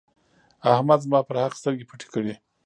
احمد زما پر حق سترګې پټې کړې.